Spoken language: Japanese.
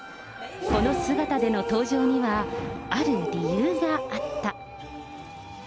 この姿での登場には、ある理由があった。